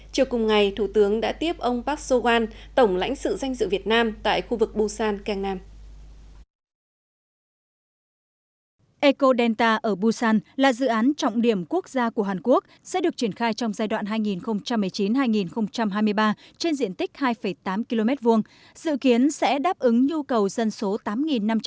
chiều cùng ngày thủ tướng đã tiếp ông park so hwan tổng lãnh sự danh dự việt nam tại khu vực busan kangnam